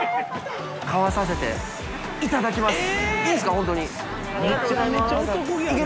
かわさせていただきます。